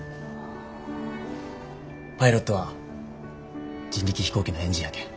パイロットは人力飛行機のエンジンやけん。